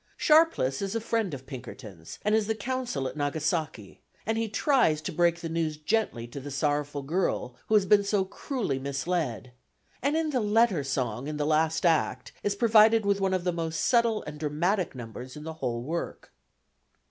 Sharpless is a friend of Pinkerton's, and is the consul at Nagasaki, and he tries to break the news gently to the sorrowful girl who has been so cruelly misled, and in the "letter" song in the last act is provided with one of the most subtle and dramatic numbers in the whole work.